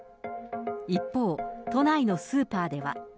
一方、都内のスーパーでは。